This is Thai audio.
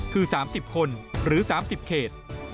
คือ๓๐คนหรือ๓๐เขต